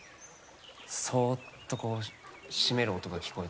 そっと閉める音が聞こえて。